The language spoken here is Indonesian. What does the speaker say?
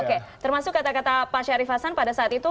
oke termasuk kata kata pak syarif hasan pada saat itu